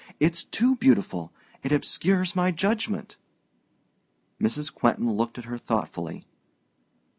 It's too beautiful it obscures my judgment." Mrs. Quentin looked at her thoughtfully.